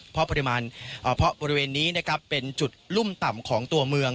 เพราะปริมาณเพราะบริเวณนี้นะครับเป็นจุดรุ่มต่ำของตัวเมือง